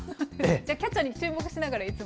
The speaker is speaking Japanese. じゃあ、キャッチャーに注目しながらいつも？